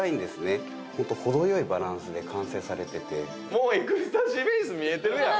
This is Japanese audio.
もうエクスタシーフェイス見えてるやん。